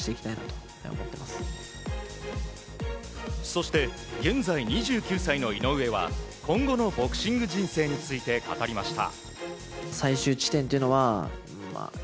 そして現在２９歳の井上は今後のボクシング人生について語りました。